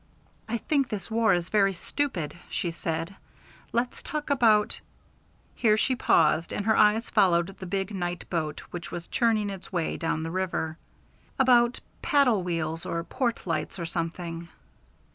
"I think this war is very stupid," she said. "Let's talk about" here she paused and her eyes followed the big night boat which was churning its way down the river "about paddle wheels, or port lights, or something."